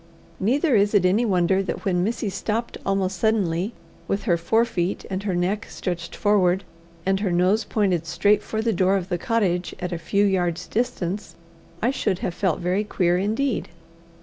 Neither is it any wonder that when Missy stopped almost suddenly, with her fore feet and her neck stretched forward, and her nose pointed straight for the door of the cottage at a few yards' distance, I should have felt very queer indeed.